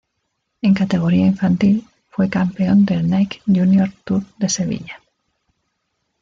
En categoría infantil, fue campeón del Nike Junior Tour de Sevilla.